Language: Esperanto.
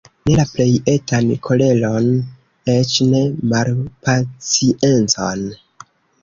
Ne la plej etan koleron, eĉ ne malpaciencon.